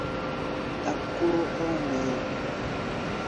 Dap kóró ɔ́ ŋuyuŋ.